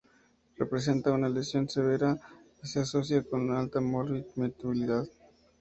Representa una lesión severa y se asocia con una alta morbi–mortalidad.